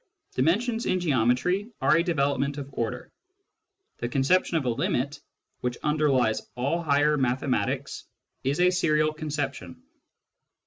Dimensions, in geometry, are a development of order. The conception of a limii, which underlies all higher mathematics, is a serial conception.